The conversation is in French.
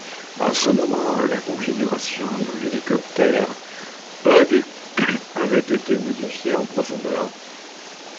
À ce moment, la configuration de l'hélicoptère Hughes avait été modifiée en profondeur.